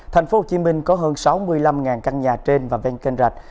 tp hcm có hơn sáu mươi năm căn nhà trên và ven kênh rạch